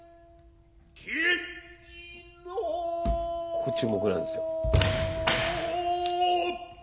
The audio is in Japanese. ここ注目なんですよ。